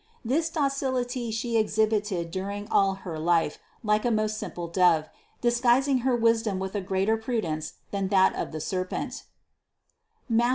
This docility She exhibited during all her life like a most simple dove, disguising her wisdom with a greater pru dence than that of the serpent (Matth.